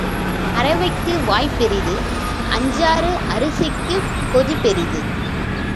அறவைக்கு வாய் பெரிது அஞ்சாறு அரிசிக்குச் கொதி பெரிது.